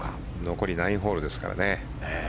残り９ホールですからね。